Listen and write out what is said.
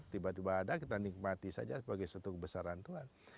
tiba tiba ada kita nikmati saja sebagai suatu kebesaran tuhan